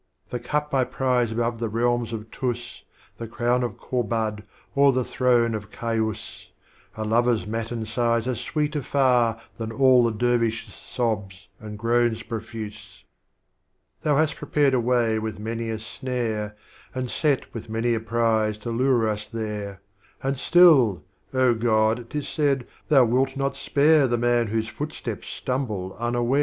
II. The Cup I prize above the Reahns of Tus The Crown of Kobtld or the Throne of Kaiiis;'* A Lover's Matin Sighs are sweeter far Than all the Dervish's Sobs and Groans profuse. Thou hast prepared a Way with many a Snare, And set with many a Prize to lure us there, And still, Oh, God 't is said. Thou wilt not spare, The Man whose Foot steps stumble unaware!